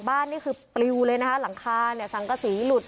บ้านนี่คือปลิวเลยนะคะหลังคาสังกระสีหลุด